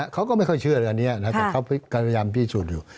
เขาก็ไม่ค่อยเชื่อด้วยอันนี้แต่เขากำลังพิสูจน์อยู่